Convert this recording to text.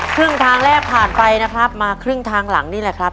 ครึ่งทางแรกผ่านไปนะครับมาครึ่งทางหลังนี่แหละครับ